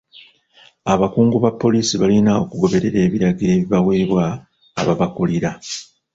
Abakungu ba poliisi balina okugoberera ebiragiro ebibaweebwa ababakulira.